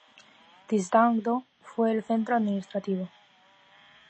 Tsingtao fue el centro administrativo.